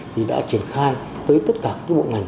thì đã triển khai tới tất cả các bộ ngành